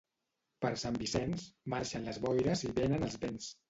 Per Sant Vicenç, marxen les boires i venen els vents.